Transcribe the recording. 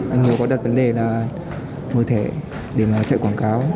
anh hiếu có đặt vấn đề là mở thẻ để mà chạy quảng cáo